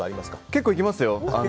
結構行きますよ。